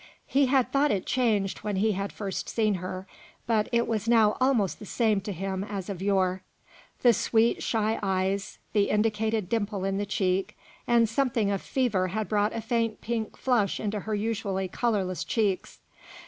He had thought it changed when he had first seen her, but it was now almost the same to him as of yore. The sweet shy eyes, the indicated dimple in the cheek, and something of fever had brought a faint pink flush into her usually colourless cheeks.